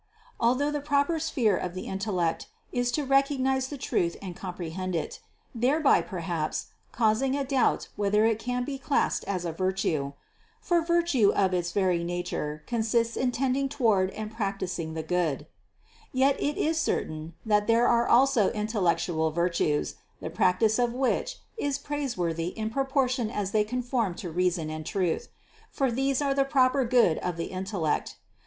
Although the proper sphere of the intellect is to recognize the truth and comprehend it, thereby perhaps causing a doubt whether it can be classed as a virtue (for virtue of its very nature consists in tend ing toward and practicing the good) ; yet it is certain that there are also intellectual virtues, the practice of which is praiseworthy in proportion as they conform to reason and truth ; for these are the proper good of the intellect.